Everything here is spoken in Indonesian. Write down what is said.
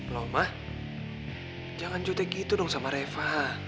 loh mah jangan jutek gitu dong sama reva